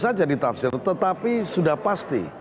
saja ditafsir tetapi sudah pasti